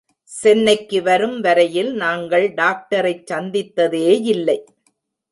சென்னைக்கு வரும் வரையில் நாங்கள் டாக்டரைச் சந்தித்ததே யில்லை.